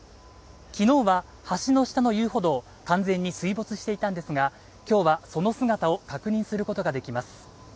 昨日は橋の下の遊歩道完全に水没していたんですが今日はその姿を確認することができます